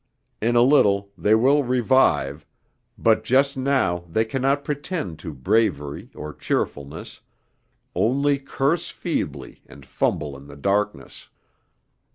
In a little they will revive, but just now they cannot pretend to bravery or cheerfulness, only curse feebly and fumble in the darkness.